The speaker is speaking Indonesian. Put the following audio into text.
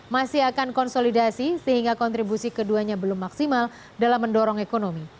masih akan konsolidasi sehingga kontribusi keduanya belum maksimal dalam mendorong ekonomi